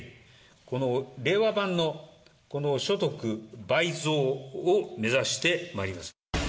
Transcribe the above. この令和版の、この所得倍増を目指してまいります。